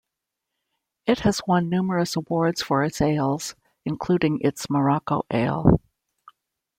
It has won numerous awards for its ales, including its Morocco Ale.